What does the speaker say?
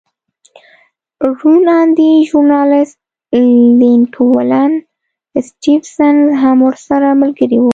روڼ اندی ژورنالېست لینک ولن سټېفنس هم ورسره ملګری و.